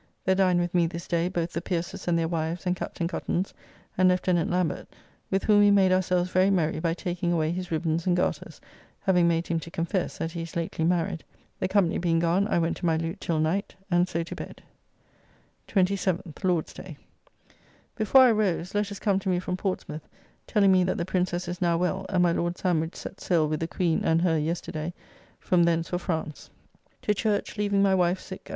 There dined with me this day both the Pierces' and their wives, and Captain Cuttance, and Lieutenant Lambert, with whom we made ourselves very merry by taking away his ribbans and garters, having made him to confess that he is lately married. The company being gone I went to my lute till night, and so to bed. 27th (Lord's day). Before I rose, letters come to me from Portsmouth, telling me that the Princess is now well, and my Lord Sandwich set sail with the Queen and her yesterday from thence for France. To church, leaving my wife sick....